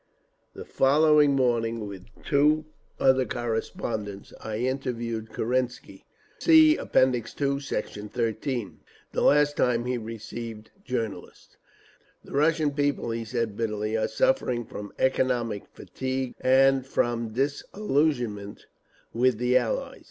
The following morning with two other correspondents I interviewed Kerensky (See App. II, Sect. 13)—the last time he received journalists. "The Russian people," he said, bitterly, "are suffering from economic fatigue—and from disillusionment with the Allies!